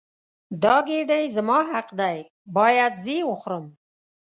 دا ګیډۍ زما حق دی باید زه یې وخورم.